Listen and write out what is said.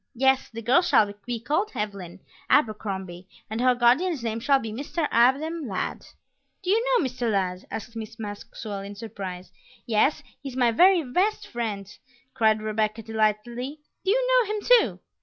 Yes, the girl shall be called Evelyn Abercrombie, and her guardian's name shall be Mr. Adam Ladd." "Do you know Mr. Ladd?" asked Miss Maxwell in surprise. "Yes, he's my very best friend," cried Rebecca delightedly. "Do you know him too?"